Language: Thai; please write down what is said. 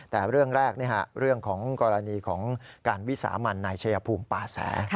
แต่เรื่องแรกเรื่องของกรณีของการวิสามันนายชายภูมิป่าแส